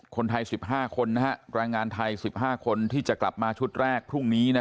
คนไทย๑๕คนแรงงานไทย๑๕คนที่จะกลับมาชุดแรกพรุ่งนี้